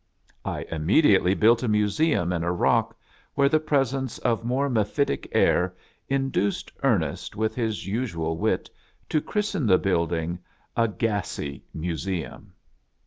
I immediately built a museum in a rock, where the presence of more mephitic air induced Ernest with his usual wit to christen the building " A Gassy Mu seum."